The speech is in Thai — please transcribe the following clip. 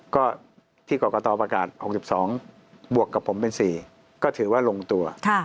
ก็ที่กรกตประกาศ๖๒บวกกับผมเป็น๔ก็ถือว่าลงตัว